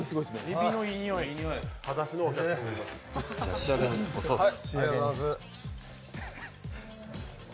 仕上げにソース。